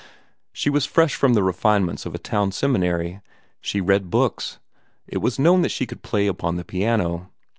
She was fresh from the refinements of a town seminary: she read books; it was known that she could play upon the piano.